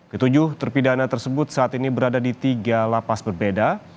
ketujuh terpidana tersebut saat ini berada di tiga lapas berbeda